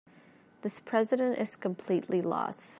This president is completely lost.